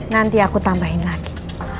nanti aku tambahin lagi